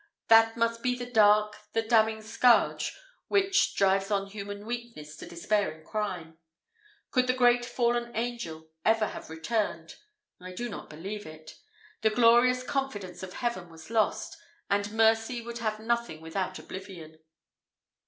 That must be the dark, the damning scourge which drives on human weakness to despairing crime. Could the great fallen angel ever have returned? I do not believe it. The glorious confidence of Heaven was lost, and mercy would have been nothing without oblivion.